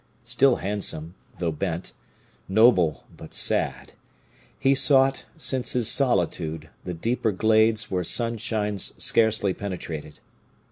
Still handsome, though bent, noble, but sad, he sought, since his solitude, the deeper glades where sunshine scarcely penetrated.